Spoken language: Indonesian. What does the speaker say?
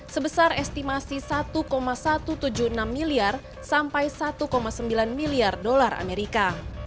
sebesar estimasi satu satu ratus tujuh puluh enam miliar sampai satu sembilan miliar dolar amerika